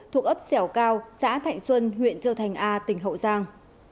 thuộc ấp dẻo cao xã thạnh xuân huyện châu thành a tỉnh hậu giang